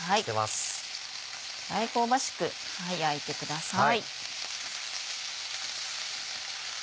このぐらい香ばしく焼いてください。